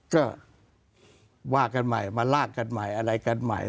ก็ว่ากันใหม่มาลากกันใหม่อะไรกันใหม่